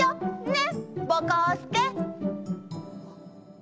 ねっぼこすけ！